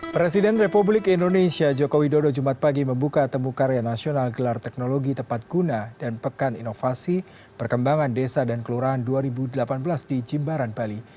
presiden republik indonesia joko widodo jumat pagi membuka temu karya nasional gelar teknologi tepat guna dan pekan inovasi perkembangan desa dan kelurahan dua ribu delapan belas di jimbaran bali